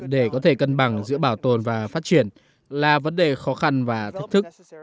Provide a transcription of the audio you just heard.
để có thể cân bằng giữa bảo tồn và phát triển là vấn đề khó khăn và thách thức